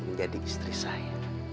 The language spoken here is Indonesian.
menjadi istri saya